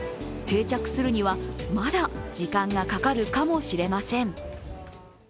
定着するにはまだ時間がかかるかもしれません。